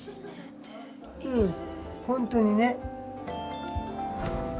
うん本当にね。